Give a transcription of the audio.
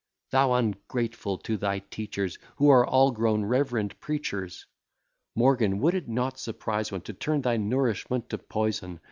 Thou ungrateful to thy teachers, Who are all grown reverend preachers! Morgan, would it not surprise one! To turn thy nourishment to poison!